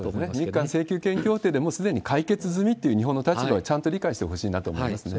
日韓請求権協定でもうすでに解決済みっていう日本の立場をちゃんと理解してほしいなと思いますね。